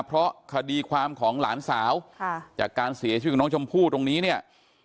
เพราะคดีความของหลานสาวจากการเสียชีวิตของน้องชมพู่ตรงนี้เนี่ย